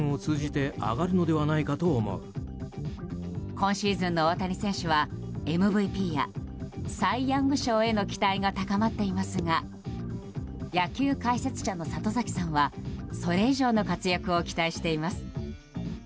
今シーズンの大谷選手はＭＶＰやサイ・ヤング賞への期待が高まっていますが野球解説者の里崎さんはそれ以上の活躍を期待しています。